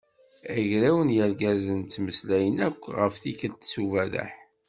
Agraw n yirgazen ttmeslayen akk ɣef tikelt s uberreḥ.